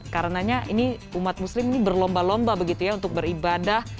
karenanya ini umat muslim ini berlomba lomba begitu ya untuk beribadah